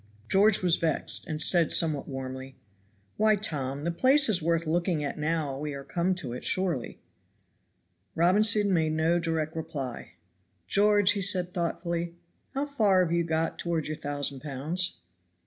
George was vexed, and said somewhat warmly, "Why, Tom, the place is worth looking at now we are come to it, surely." Robinson made no direct reply. "George," said he thoughtfully, "how far have you got toward your thousand pounds?"